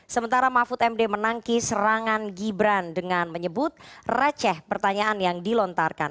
sementara mahfud md menangkis serangan gibran dengan menyebut receh pertanyaan yang dilontarkan